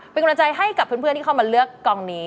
เป็นกำลังใจให้กับเพื่อนที่เข้ามาเลือกกองนี้